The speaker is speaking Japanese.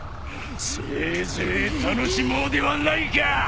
せいぜい楽しもうではないか！